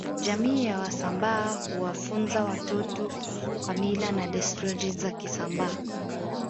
Jamii ya wasambaa huwafunza watoto kwa Mila na desturi za kisambaa